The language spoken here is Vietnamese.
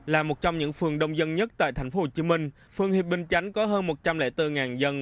là một trong những phường đông dân nhất tại tp hcm phường hiệp bình chánh có hơn một trăm linh bốn dân